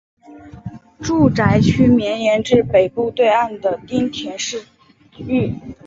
住宅区绵延至北部对岸的町田市域。